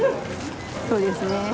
そうですね。